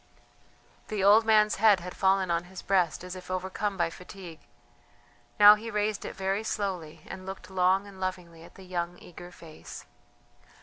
The old man's head had fallen on his breast as if overcome by fatigue; now he raised it very slowly and looked long and lovingly at the young eager face.